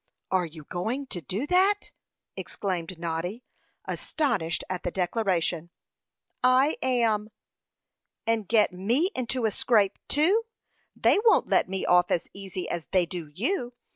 "Are you going to do that?" exclaimed Noddy, astonished at the declaration. "I am." "And get me into a scrape too! They won't let me off as easy as they do you.